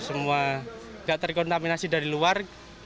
semua tidak terkontaminasi dari luar